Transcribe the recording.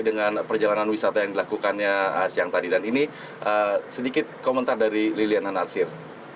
dengan perjalanan wisata yang dilakukannya siang tadi dan ini sedikit komentar dari liliana natsir